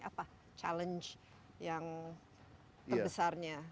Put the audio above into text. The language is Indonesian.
apa challenge yang terbesarnya